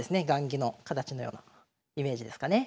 雁木の形のようなイメージですかね。